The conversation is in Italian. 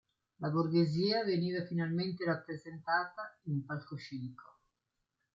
La borghesia veniva finalmente rappresentata in palcoscenico.